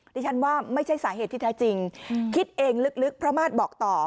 ดิฉันว่าไม่ใช่สาเหตุที่แท้จริงคิดเองลึกพระมาศบอกต่อ